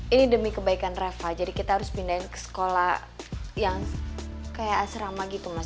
ini demi kebaikan reva jadi kita harus pindahin ke sekolah yang kayak asrama gitu mas